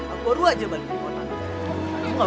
aku baru aja balik dari kota